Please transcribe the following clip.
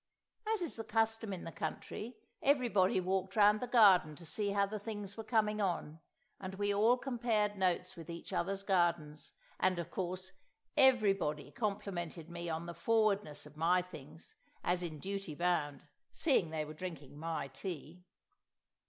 As is the custom in the country, everybody walked round the garden to see how the things were coming on, and we all compared notes with each other's gardens, and, of course, everybody complimented me on the forwardness of my things—as in duty bound, seeing they were drinking my tea!